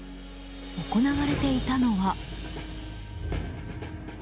行われていたのは。